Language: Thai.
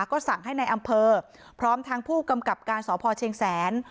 ก็สั่งให้ในอำเภอพร้อมทางผู้กำกับการสพเชียงแสน